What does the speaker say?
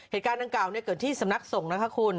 เหตุการณ์ดังกล่าวเกิดที่สำนักส่งนะคะคุณ